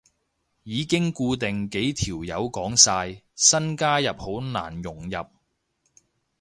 已經固定幾條友講晒，新加入好難融入